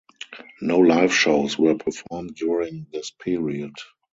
No live shows were performed during this period.